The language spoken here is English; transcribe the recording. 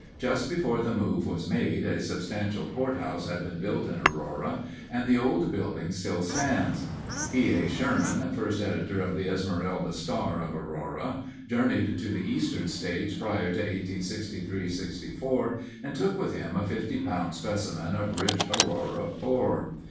Just before the move was made, a substantial courthouse had been built in Aurora, and the old building still stands. E. A. Sherman, first editor of the Esmeralda Star of Aurora, journeyed to the Eastern States prior to 1863 64, and took with him a fifty pound specimen of rich Aurora ore.